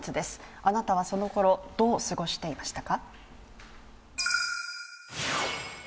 あなたはそのころ、どう過ごしていましたか？